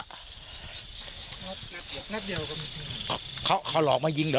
นัดเดียวกับพี่เขาเขาหลอกมายิงเหรอ